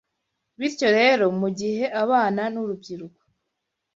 Bityo rero mu gihe abana n’urubyiruko